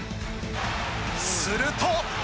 すると。